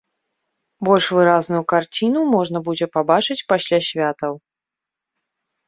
Больш выразную карціну можна будзе пабачыць пасля святаў.